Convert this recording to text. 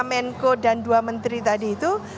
menko dan dua menteri tadi itu